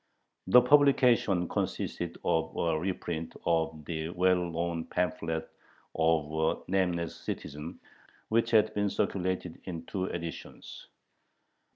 The publication consisted of a reprint of the well known pamphlet of "A Nameless Citizen," which had been circulated in two editions.